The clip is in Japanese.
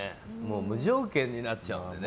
無条件になっちゃうんでね。